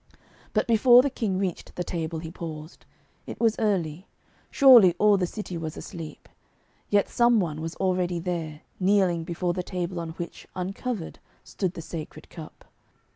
But before the King reached the table he paused. It was early. Surely all the city was asleep. Yet some one was already there, kneeling before the table on which, uncovered, stood the Sacred Cup.